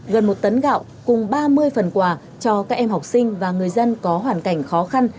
gần một tấn gạo cùng ba mươi phần quà cho các em học sinh và người dân có hoàn cảnh khó khăn